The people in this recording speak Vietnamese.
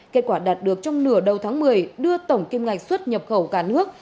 kết quả đạt được trong nửa đầu tháng một mươi đưa tổng kim ngạch xuất nhập khẩu cả nước